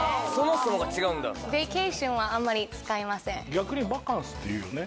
逆にバカンスっていうよね。